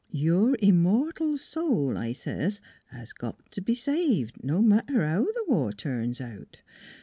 ' Your immortal soul,' I says, ' has got t' be saved, no matter how th' war turns out.'